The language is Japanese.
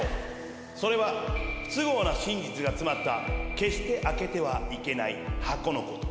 それは不都合な真実が詰まった決して開けてはいけない箱の事。